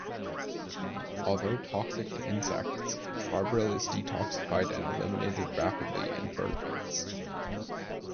Although toxic to insects, carbaryl is detoxified and eliminated rapidly in vertebrates.